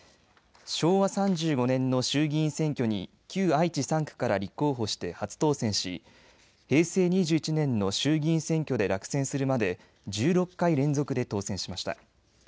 昭和３５年の衆議院選挙に旧愛知３区から立候補して初当選し、平成２１年の衆議院選挙で落選するまで１６回連続で当選しました。